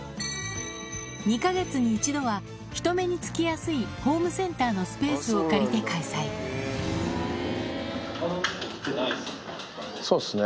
２か月に１度は人目につきやすいホームセンターのスペースを借りほかの猫来てないっすね。